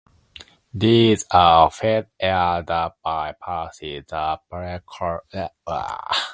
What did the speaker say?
These are fed air that bypasses the precooler.